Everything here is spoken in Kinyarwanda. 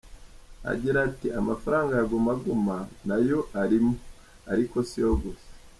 Agira ati "Amafaranga ya Guma Guma nayo arimo, ariko siyo gusa.